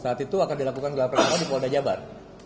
saat itu akan dilakukan gelar perkara di polda jabar